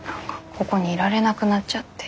ここにいられなくなっちゃって。